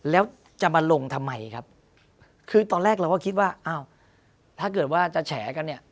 แล้วจะมาลงทำไมครับคือตอนแรกเราก็คิดว่าอ้าวถ้าเกิดว่าจะแฉกันเนี่ย